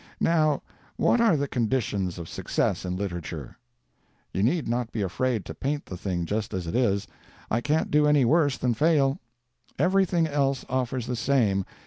Now, what are the conditions of success in literature? You need not be afraid to paint the thing just as it is. I can't do any worse than fail. Everything else offers the same.